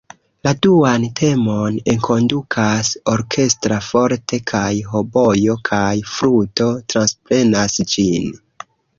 La duan temon enkondukas orkestra "forte", kaj hobojo kaj fluto transprenas ĝin.